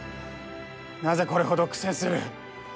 なぜ、これほど苦戦する？